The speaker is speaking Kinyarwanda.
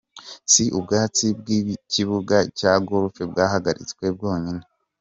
Si ubwubatsi bw’ikibuga cya Golf bwahagaritswe bwonyine.